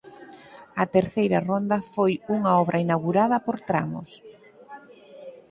A Terceira Ronda foi unha obra inaugurada por tramos.